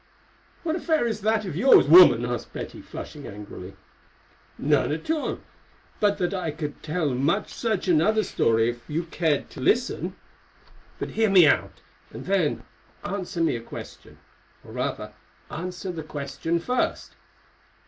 "What affair is that of yours, woman?" asked Betty, flushing angrily. "None at all, save that I could tell much such another story, if you cared to listen. But hear me out, and then answer me a question, or rather, answer the question first.